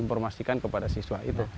informasikan kepada siswa itu